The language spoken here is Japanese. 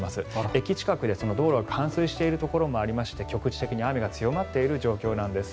駅近くで道路が冠水しているところもありまして局地的に雨が強まっているんです。